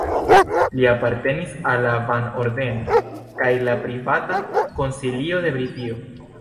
Li apartenis al la Ban-ordeno kaj la Privata Konsilio de Britio.